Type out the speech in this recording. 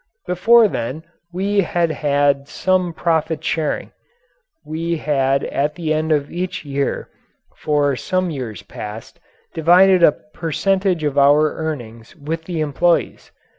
Before then we had had some profit sharing. We had at the end of each year, for some years past, divided a percentage of our earnings with the employees.